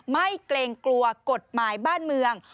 เกรงกลัวกฎหมายบ้านเมือง